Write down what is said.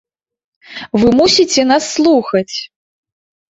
Вы мусіце нас слухаць!